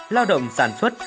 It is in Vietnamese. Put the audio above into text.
lao động sản xuất